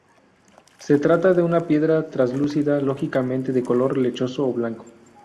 Se trata de una piedra translúcida, lógicamente de color lechoso o blanco.